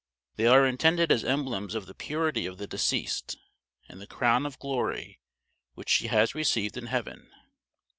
They are intended as emblems of the purity of the deceased, and the crown of glory which she has received in heaven.